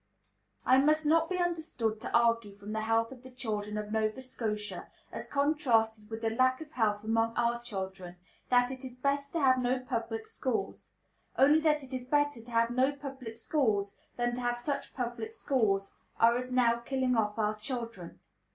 I must not be understood to argue from the health of the children of Nova Scotia, as contrasted with the lack of health among our children, that it is best to have no public schools; only that it is better to have no public schools than to have such public schools as are now killing off our children.